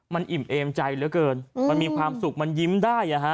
มันอิ่มเอมใจเหลือเกินมันมีความสุขมันยิ้มได้